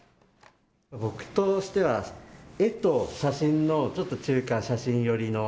僕としては絵と写真のちょっと中間、写真寄りの。